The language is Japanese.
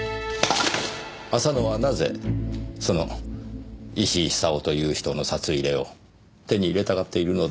浅野はなぜその石井久雄という人の札入れを手に入れたがっているのでしょう。